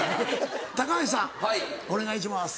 高橋さんお願いします。